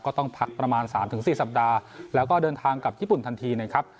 ก็ต้องพักประมาณ๓๔สัปดาห์แล้วก็เดินทางกับญี่ปุ่นทันทีนะครับ